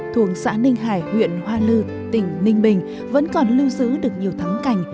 thuộc xã ninh hải huyện hoa lư tỉnh ninh bình vẫn còn lưu giữ được nhiều thắng cảnh